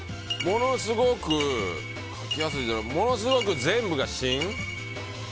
ものすごく書きやすいじゃなくものすごく全部が芯？